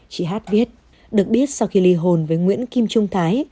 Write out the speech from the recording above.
chị hát viết được biết sau khi ly hôn với nguyễn kim trung thái